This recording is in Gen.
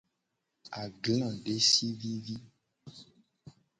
Agla desi vivi.